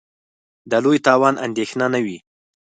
د لوی تاوان اندېښنه نه وي.